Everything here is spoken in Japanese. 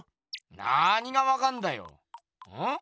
なにがわかんだよ？